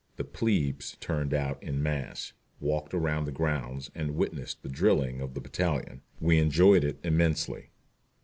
The "plebes" turned out en masse, walked around the grounds and witnessed the drilling of the battalion. We enjoyed it immensely.